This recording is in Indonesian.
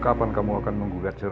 kapan kamu akan menggugat cerai sherman